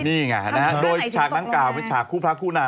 นี่ไงนะฮะโดยฉากดังกล่าวเป็นฉากคู่พระคู่นา